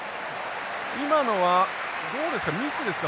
今のはどうですかミスですか？